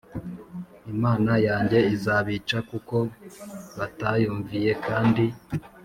Imana yanjye izabica kuko batayumviye kandi